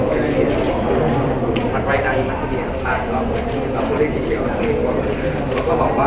เราก็บอกว่า